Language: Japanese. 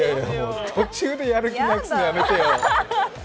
途中でやる気なくすのやめてよ。